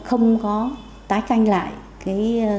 các không có tái canh lại cái diện tích tiêu trên cái diện tích tiêu